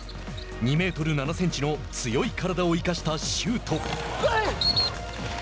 ２メートル７センチの強い体を生かしたシュート。